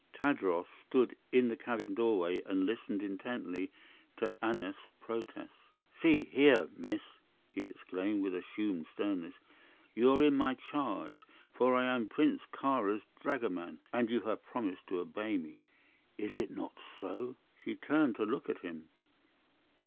Tadros stood in the cabin doorway and listened intently to Aneth's protests. "See here, miss," he exclaimed, with assumed sternness, "you are in my charge, for I am Prince Kāra's dragoman, and you have promised to obey me. Is it not so?" She turned to look at him.